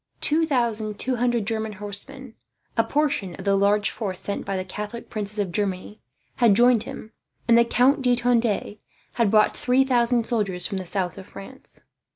Two thousand two hundred German horsemen, a portion of the large force sent by the Catholic princes of Germany, had joined him; and the Count de Tende had brought 3000 soldiers from the south of France.